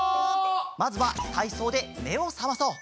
まずはたいそうでめをさまそう！